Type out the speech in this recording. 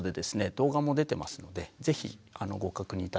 動画も出てますので是非ご確認頂ければと思います。